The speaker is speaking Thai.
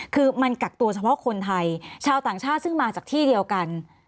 คือมันกักตัวเฉพาะคนไทยชาวต่างชาติซึ่งมาจากที่เดียวกัน